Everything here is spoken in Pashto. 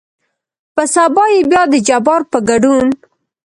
په سبا يې بيا دجبار په ګدون